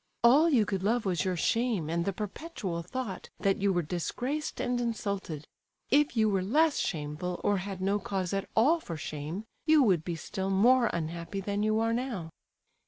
All you could love was your shame and the perpetual thought that you were disgraced and insulted. If you were less shameful, or had no cause at all for shame, you would be still more unhappy than you are now."